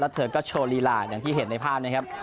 เธอก็โชว์ลีลาอย่างที่เห็นในภาพนะครับ